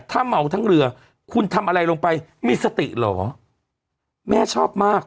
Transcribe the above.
ถ้าเมาทั้งเรือคุณทำอะไรลงไปมีสติเหรอแม่ชอบมาก